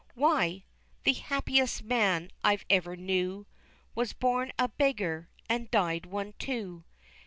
Why! the happiest man I ever knew Was born a beggar and died one too."